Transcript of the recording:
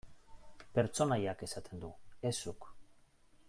Pertsonaiak esaten du, ez zuk.